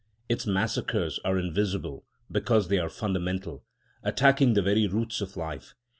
Its massacres are invisible, because they are fundamental, attacking the very roots of life.